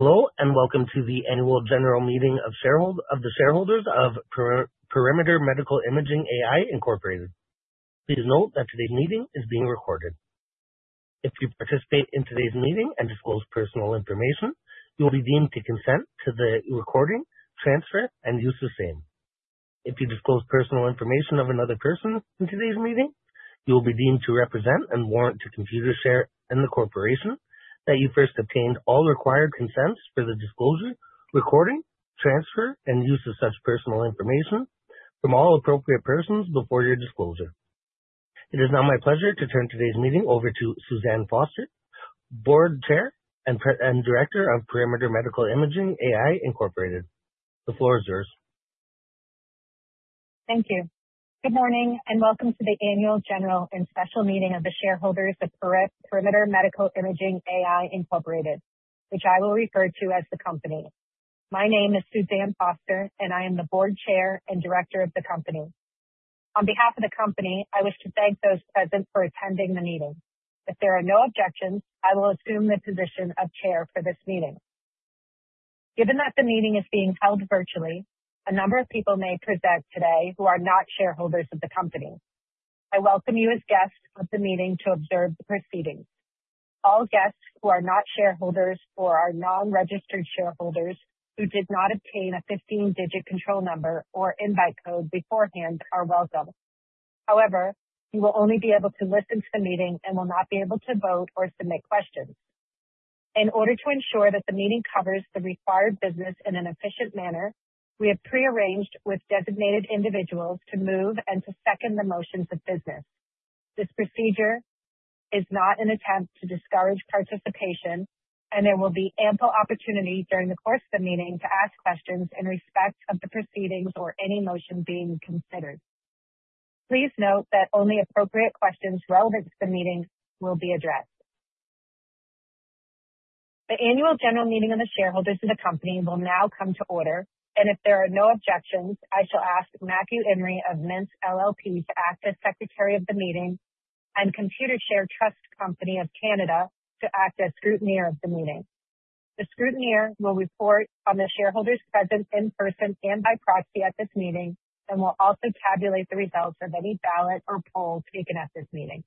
Hello and welcome to the Annual General Meeting of the shareholders of Perimeter Medical Imaging AI, Incorporated. Please note that today's meeting is being recorded. If you participate in today's meeting and disclose personal information, you will be deemed to consent to the recording, transfer, and use the same. If you disclose personal information of another person in today's meeting, you will be deemed to represent and warrant to Computershare and the corporation that you first obtained all required consents for the disclosure, recording, transfer, and use of such personal information from all appropriate persons before your disclosure. It is now my pleasure to turn today's meeting over to Suzanne Foster, Board Chair and Director of Perimeter Medical Imaging AI, Incorporated. The floor is yours. Thank you. Good morning, and welcome to the Annual, General, and Special Meeting of the Shareholders of Perimeter Medical Imaging AI, Inc., which I will refer to as the company. My name is Suzanne Foster, and I am the Board Chair and Director of the company. On behalf of the company, I wish to thank those present for attending the meeting. If there are no objections, I will assume the position of Chair for this meeting. Given that the meeting is being held virtually, a number of people may present today who are not shareholders of the company. I welcome you as guests of the meeting to observe the proceedings. All guests who are not shareholders or are non-registered shareholders who did not obtain a 15-digit control number or invite code beforehand are welcome. However, you will only be able to listen to the meeting and will not be able to vote or submit questions. In order to ensure that the meeting covers the required business in an efficient manner, we have pre-arranged with designated individuals to move and to second the motions of business. This procedure is not an attempt to discourage participation, and there will be ample opportunity during the course of the meeting to ask questions in respect of the proceedings or any motion being considered. Please note that only appropriate questions relevant to the meeting will be addressed. The Annual General Meeting of the shareholders of the company will now come to order, and if there are no objections, I shall ask Matthew Imrie of Mintz LLP to act as Secretary of the meeting and Computershare Trust Company of Canada to act as scrutineer of the meeting. The scrutineer will report on the shareholders present in person and by proxy at this meeting and will also tabulate the results of any ballot or poll taken at this meeting.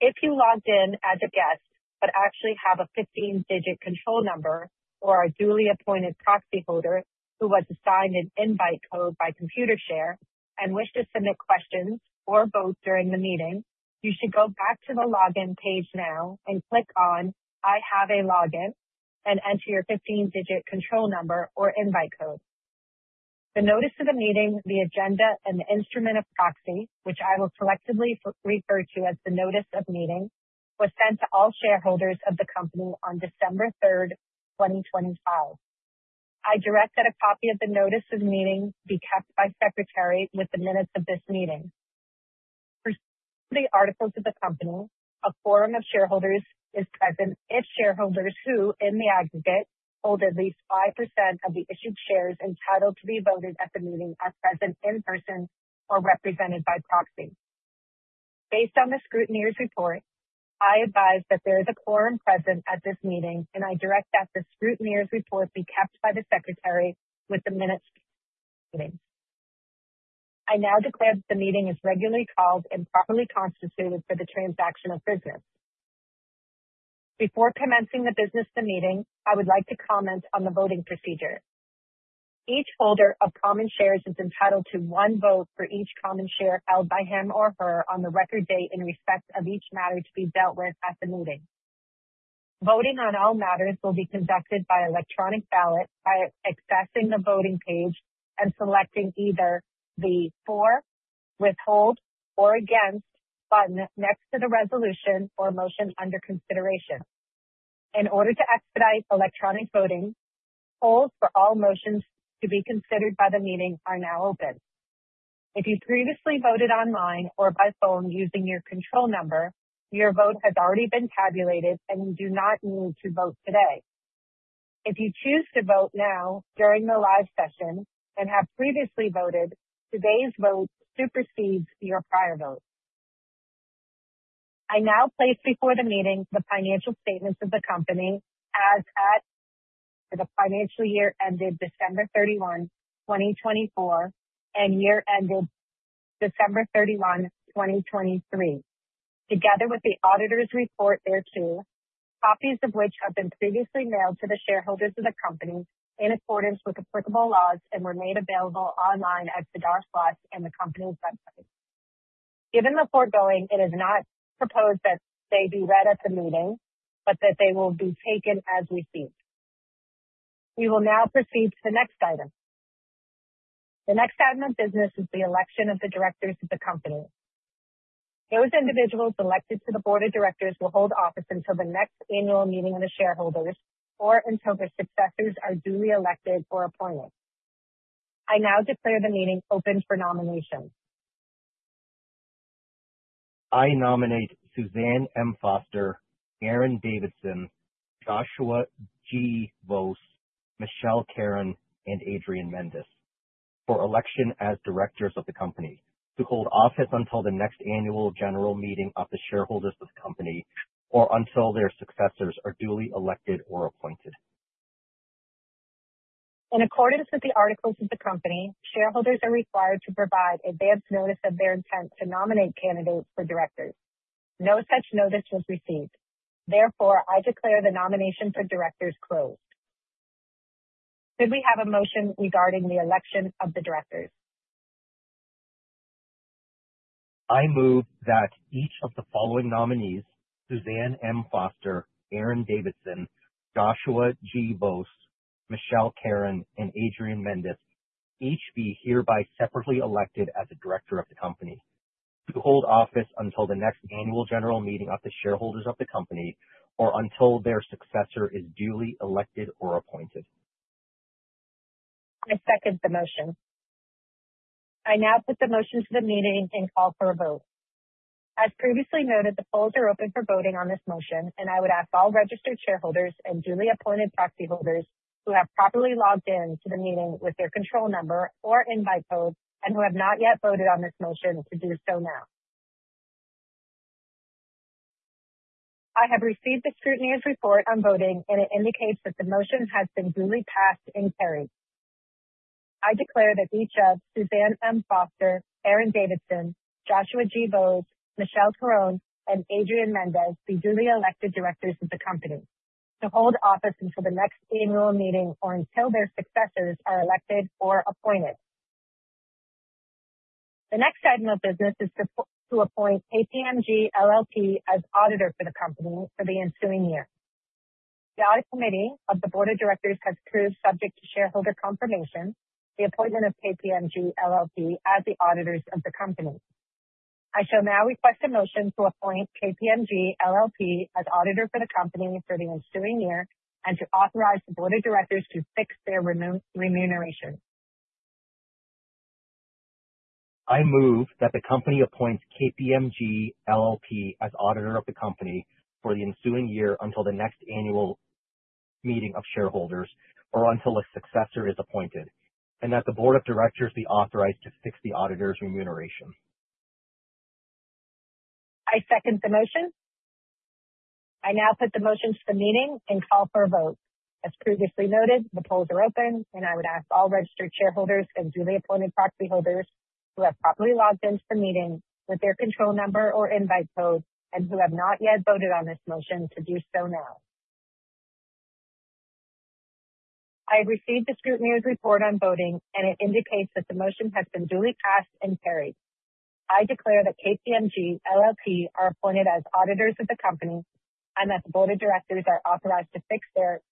If you logged in as a guest, but actually have a 15-digit control number or are a duly appointed proxyholder who was assigned an invite code by Computershare and wish to submit questions or vote during the meeting, you should go back to the login page now and click on "I have a login" and enter your 15-digit control number or invite code. The notice of the meeting, the agenda, and the instrument of proxy, which I will collectively refer to as the notice of meeting, was sent to all shareholders of the company on December 3, 2025. I direct that a copy of the notice of meeting be kept by Secretary with the minutes of this meeting. Per the articles of the company, a quorum of shareholders is present if shareholders who, in the aggregate, hold at least 5% of the issued shares entitled to be voted at the meeting are present in person or represented by proxy. Based on the scrutineer's report, I advise that there is a quorum present at this meeting, and I direct that the scrutineer's report be kept by the Secretary with the minutes of the meeting. I now declare that the meeting is regularly called and properly constituted for the transaction of business. Before commencing the business of the meeting, I would like to comment on the voting procedure. Each holder of common shares is entitled to one vote for each common share held by him or her on the record date in respect of each matter to be dealt with at the meeting. Voting on all matters will be conducted by electronic ballot by accessing the voting page and selecting either the For, Withhold, or Against button next to the resolution or motion under consideration. In order to expedite electronic voting, polls for all motions to be considered by the meeting are now open. If you previously voted online or by phone using your control number, your vote has already been tabulated, and you do not need to vote today. If you choose to vote now during the live session and have previously voted, today's vote supersedes your prior vote. I now place before the meeting the financial statements of the company as at the financial year ended December 31, 2024, and year ended December 31, 2023, together with the Auditor's report thereto, copies of which have been previously mailed to the shareholders of the company in accordance with applicable laws and were made available online at the SEDAR+ in the company's website. Given the foregoing, it is not proposed that they be read at the meeting, but that they will be taken as received. We will now proceed to the next item. The next item of business is the election of the directors of the company. Those individuals elected to the board of directors will hold office until the next annual meeting of the shareholders or until their successors are duly elected or appointed. I now declare the meeting open for nominations. I nominate Suzanne M. Foster, Aaron Davidson, Joshua G. Vose, Michelle Caron, and Adrian Mendes. For election as directors of the company to hold office until the next annual general meeting of the shareholders of the company or until their successors are duly elected or appointed. In accordance with the articles of the company, shareholders are required to provide advance notice of their intent to nominate candidates for directors. No such notice was received. Therefore, I declare the nomination for directors closed. Could we have a motion regarding the election of the directors? I move that each of the following nominees, Suzanne M. Foster, Aaron Davidson, Joshua G. Vose, Michelle Caron, and Adrian Mendes, each be hereby separately elected as a director of the company to hold office until the next annual general meeting of the shareholders of the company or until their successor is duly elected or appointed. I second the motion. I now put the motion to the meeting and call for a vote. As previously noted, the polls are open for voting on this motion, and I would ask all registered shareholders and duly appointed proxy holders who have properly logged in to the meeting with their control number or invite code and who have not yet voted on this motion to do so now. I have received the scrutineer's report on voting, and it indicates that the motion has been duly passed and carried. I declare that each of Suzanne M. Foster, Aaron Davidson, Joshua G. Vose, Michelle Caron, and Adrian Mendes be duly elected directors of the company to hold office until the next annual meeting or until their successors are elected or appointed. The next item of business is to appoint KPMG LLP as Auditor for the company for the ensuing year. The audit committee of the board of directors has approved, subject to shareholder confirmation, the appointment of KPMG LLP as the Auditors of the company. I shall now request a motion to appoint KPMG LLP as Auditor for the company for the ensuing year and to authorize the board of directors to fix their remuneration. I move that the company appoints KPMG LLP as Auditor of the company for the ensuing year until the next annual meeting of shareholders or until a successor is appointed, and that the board of directors be authorized to fix the Auditor's remuneration. I second the motion. I now put the motion to the meeting and call for a vote. As previously noted, the polls are open, and I would ask all registered shareholders and duly appointed proxy holders who have properly logged into the meeting with their control number or invite code and who have not yet voted on this motion to do so now. I have received the scrutineer's report on voting, and it indicates that the motion has been duly passed and carried. I declare that KPMG LLP are appointed as Auditors of the company and that the board of directors are authorized to fix their...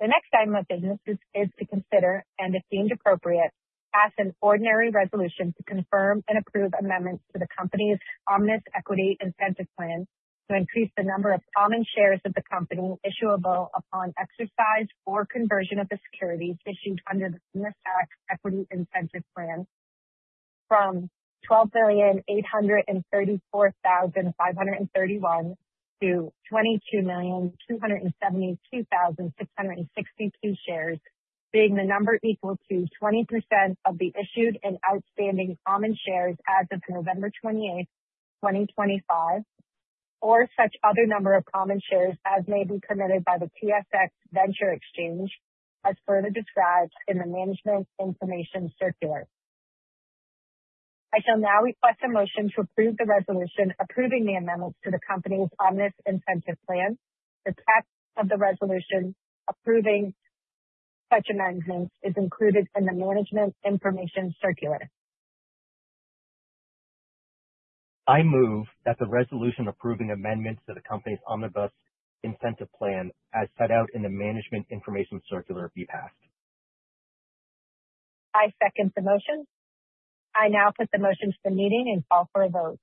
The next item of business is to consider, and if deemed appropriate, pass an ordinary resolution to confirm and approve amendments to the company's Omnibus Equity Incentive Plan to increase the number of common shares of the company issuable upon exercise or conversion of the securities issued under the Omnibus Equity Incentive Plan from 12,834,531 to 22,272,662 shares, being the number equal to 20% of the issued and outstanding common shares as of November 28th, 2025, or such other number of common shares as may be permitted by the TSX Venture Exchange, as further described in the management information circular. I shall now request a motion to approve the resolution approving the amendments to the company's Omnibus Incentive Plan. The text of the resolution approving such amendments is included in the management information circular. I move that the resolution approving amendments to the company's Omnibus Incentive Plan, as set out in the management information circular, be passed. I second the motion. I now put the motion to the meeting and call for a vote.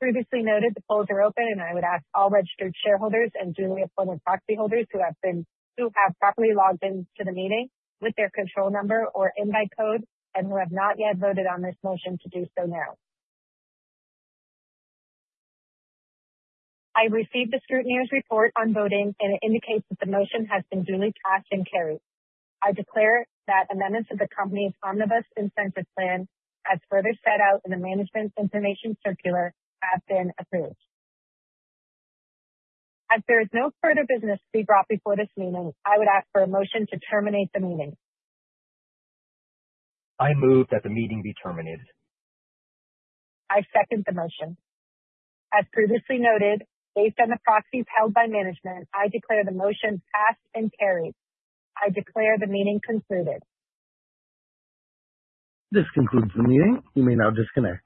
Previously noted, the polls are open, and I would ask all registered shareholders and duly appointed proxy holders who have properly logged into the meeting with their control number or invite code and who have not yet voted on this motion to do so now. I received the scrutineer's report on voting, and it indicates that the motion has been duly passed and carried. I declare that amendments to the company's Omnibus Incentive Plan, as further set out in the management information circular, have been approved. There is no further business to be brought before this meeting, I would ask for a motion to terminate the meeting. I move that the meeting be terminated. I second the motion. As previously noted, based on the proxies held by management, I declare the motion passed and carried. I declare the meeting concluded. This concludes the meeting. You may now disconnect.